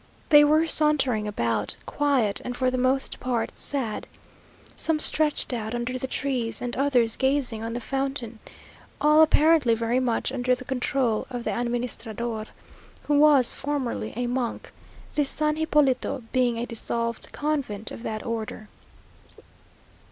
They were sauntering about, quiet and for the most part sad; some stretched out under the trees, and others gazing on the fountain; all apparently very much under the control of the administrador, who was formerly a monk, this San Hipólito being a dissolved convent of that order.